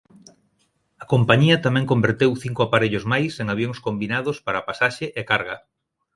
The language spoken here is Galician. A compañía tamén converteu cinco aparellos máis en avións combinados para pasaxe e carga.